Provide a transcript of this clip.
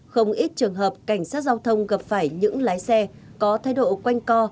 không ít trường hợp cảnh sát giao thông gặp phải những lái xe có thái độ quanh co